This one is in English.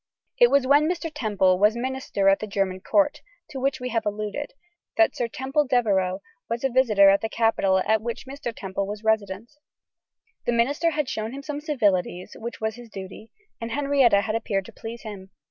It was when Mr. Temple was minister at the German Court, to which we have alluded, that Sir Temple Devereux was a visitor at the capital at which Mr. Temple was Resident. The minister had shown him some civilities, which was his duty; and Henrietta had appeared to please him.